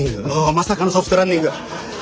まさかのソフトランニング。